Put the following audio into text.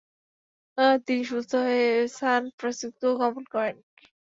তিনি সুস্থ হয়ে স্যান ফ্রানসিসকো গমন করেন।